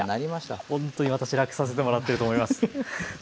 いやほんとに私楽させてもらってると思います。